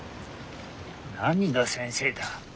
何が先生だ。